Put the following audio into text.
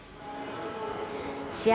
試合